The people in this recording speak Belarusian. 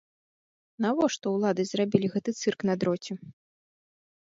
Навошта ўлады зрабілі гэты цырк на дроце?